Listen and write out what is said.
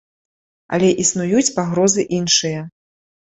Але існуюць пагрозы іншыя.